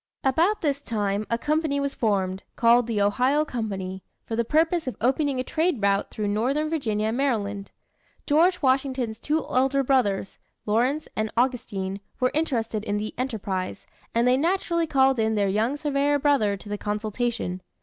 About this time, a company was formed, called the Ohio Company, for the purpose of opening a trade route through northern Virginia and Maryland. George Washington's two elder brothers, Lawrence and Augustine, were interested in the 'enterprise'; and they naturally called in their young surveyor brother to consultation.